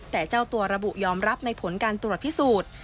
แต่เจ้าตัวระบุยอมรับในผลการตรวจพิสูจน์